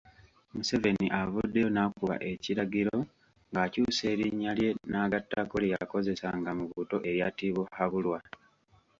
Museveni avuddeyo n'akuba ekiragiro ng'akyusa erinnya lye n'agattako lye yakozesanga mu buto erya Tibuhaburwa.